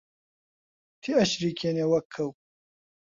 تێئەچریکێنێ وەک کەو